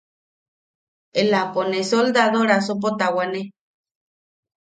Ellaʼapo ne soldado raasopo tawane.